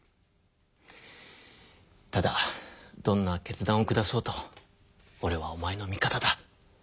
ただどんな決断を下そうとおれはおまえの味方だ。